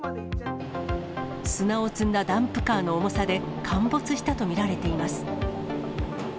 砂を積んだダンプカーの重さで、陥没したと見られています。